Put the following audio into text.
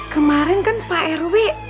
kemarin kan pak rw